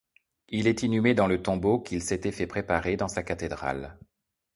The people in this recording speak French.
Il est inhumé dans le tombeau qu'il s'était fait préparé dans sa cathédrale.